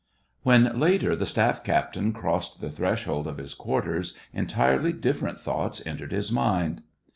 When later the staff captain crossed the thresh old of his quarters, entirely different thoughts entered his mind.